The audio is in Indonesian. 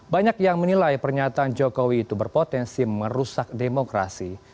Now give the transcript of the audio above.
banyak yang menilai pernyataan jokowi itu berpotensi merusak demokrasi